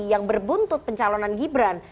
yang berbuntut pencalonan gibran